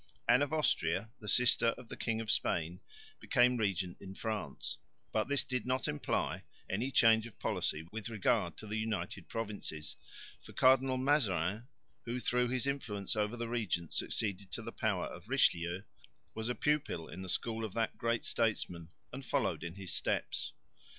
Anne of Austria, the sister of the King of Spain, became regent in France; but this did not imply any change of policy with regard to the United Provinces, for Cardinal Mazarin, who, through his influence over the regent succeeded to the power of Richelieu, was a pupil in the school of that great statesman and followed in his steps.